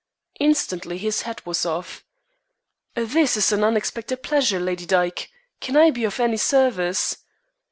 Instantly his hat was off. "This is an unexpected pleasure, Lady Dyke. Can I be of any service?"